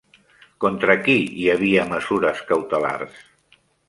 Contra qui hi havia mesures cautelars?